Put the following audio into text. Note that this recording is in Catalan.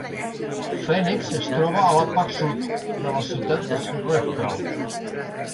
Phoenix es troba a la part sud de la ciutat Schroeppel.